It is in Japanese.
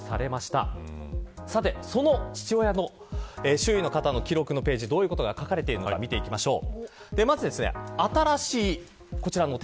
周囲の方の記録のページどういうことが書かれているのか見ていきましょう。